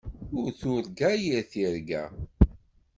Ur turga yir tirga.